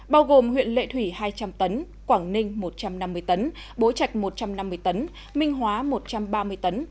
bao gồm huyện lệ thủy hai trăm linh tấn quảng ninh một trăm năm mươi tấn bố trạch một trăm năm mươi tấn minh hóa một trăm ba mươi tấn